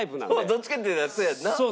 どっちかっていったらそうやんな。